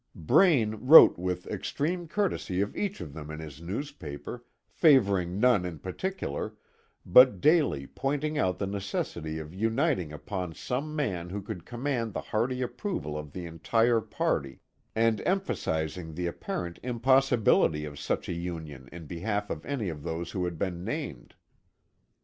Braine wrote with extreme courtesy of each of them in his newspaper, favoring none in particular, but daily pointing out the necessity of uniting upon some man who could command the hearty approval of the entire party, and emphasizing the apparent impossibility of such a union in behalf of any of those who had been named.